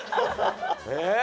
え？